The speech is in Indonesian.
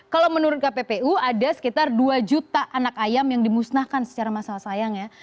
kalau menurut kppu ada sekitar dua juta anak ayam yang dimusnahkan secara masal sayang ya